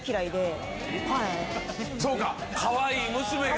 そうかかわいい娘が。